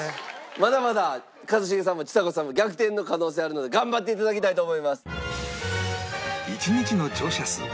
まだまだ一茂さんもちさ子さんも逆転の可能性あるので頑張って頂きたいと思います。